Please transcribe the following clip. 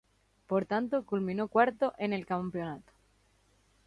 Por tanto, culminó cuarto en el campeonato.